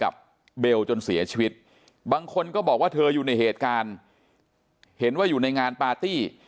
เบลจนเสียชีวิตบางคนก็บอกว่าเธออยู่ในเหตุการณ์เห็นว่าอยู่ในงานปาร์ตี้